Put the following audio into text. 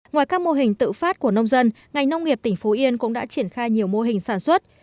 ngoài các mô hình tự phát của nông dân ngành nông nghiệp tỉnh phú yên cũng đã triển khai nhiều mô hình sản xuất